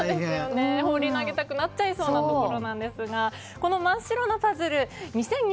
放り投げたくなっちゃいそうなところなんですがこの真っ白なパズル